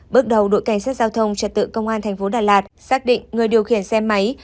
bước đầu đội cảnh sát giao thông trật tự công an thành phố đà lạt xác định người điều khiển xe máy